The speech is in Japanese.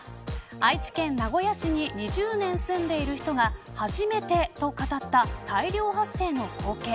愛知県名古屋市に２０年住んでいる人が初めてと語った大量発生の光景。